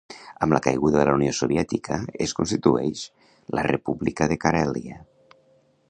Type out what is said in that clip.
Amb la caiguda de la unió soviètica es constitueix la República de Carèlia.